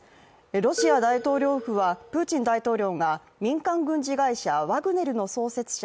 ロシア大統領府はプーチン大統領が民間軍事会社ワグネルの創設者